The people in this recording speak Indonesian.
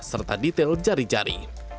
serta detail jari jari